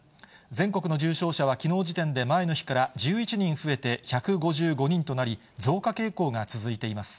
全国の重症者はきのう時点で前の日から１１人増えて１５５人となり、増加傾向が続いています。